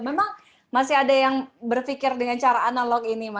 memang masih ada yang berpikir dengan cara analog ini